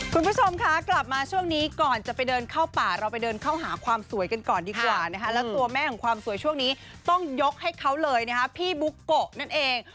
คุณผู้ชมคะกลับมาช่วงนี้ก่อนจะไปเดินเข้าป่าเราไปเดินเข้าหาความสวยกันก่อนดีกว่านะคะแล้วตัวแม่ของความสวยช่วงนี้ต้องยกให้เขาเลยนะคะพี่บุ๊กโกะนั่นเอง